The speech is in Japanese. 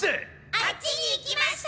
あっちに行きました！